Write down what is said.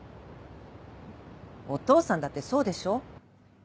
お父さんだってそうでしょ？